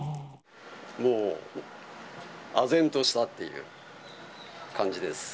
もう、あぜんとしたっていう感じです。